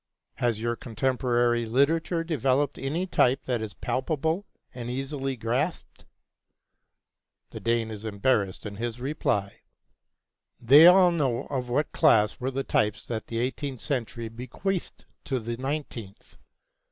Has your contemporary literature developed any type that is palpable and easily grasped? The Dane is embarrassed in his reply. They all know of what class were the types that the eighteenth century bequeathed to the nineteenth.